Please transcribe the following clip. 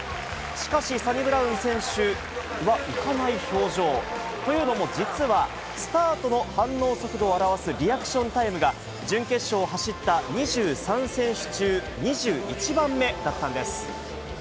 しかし、サニブラウン選手は浮かない表情。というのも実は、スタートの反応速度を表すリアクションタイムが、準決勝を走った２３選手中２１番目だったんです。